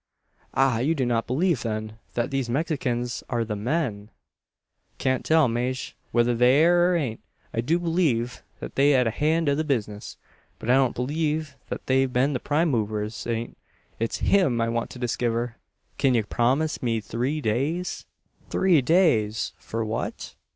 "Ah! you do not believe, then, that these Mexicans are the men!" "Can't tell, Maje, whether they air or ain't. I do b'lieve thet they've hed a hand in the bizness; but I don't b'lieve thet they've been the prime movers in't. It's him I want to diskiver. Kin ye promise me three days?" "Three days! For what?"